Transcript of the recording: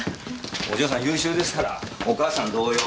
お嬢さん優秀ですからお母さん同様。